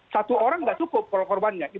satu orang tidak cukup korbannya